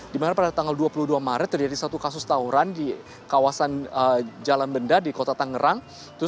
dimana pada tanggal dua puluh dua maret terjadi satu kasus tawuran di kawasan jalan benda di kota tangerang